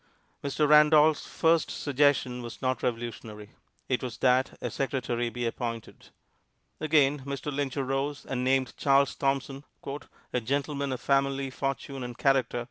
Mr. Randolph's first suggestion was not revolutionary; it was that a secretary be appointed. Again Mr. Lynch arose and named Charles Thomson, "a gentleman of family, fortune and character."